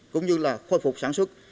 cũng như là khôi phục sản xuất